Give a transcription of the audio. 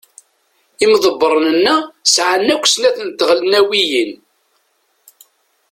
Imḍebṛen-nneɣ sɛan akk snat n tɣelnawiyin.